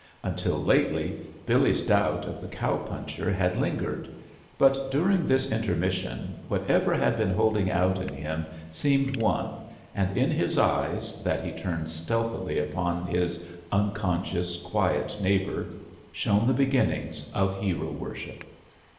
Untit lately Billy's doubt of the cow puncher bad lin gered; but during this intermission what ever had been holding out in him seemed won, and in his eyes, that fie turned stealthily upon his unconscious, quiet neighbor, shone the beginnings of hero worship.